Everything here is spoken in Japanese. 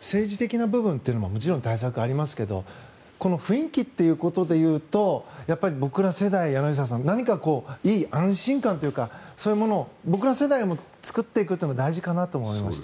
政治的な部分というのももちろん対策はありますがこの雰囲気ということでいうと僕ら世代、柳澤さん何かいい安心感というかそういうものを僕ら世代も作っていくのも大事かなと思いました。